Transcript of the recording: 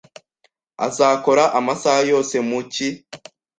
Azakora amasaha yose mu cyi